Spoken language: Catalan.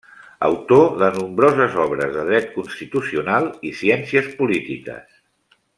Autor de nombroses obres de dret constitucional i ciències polítiques.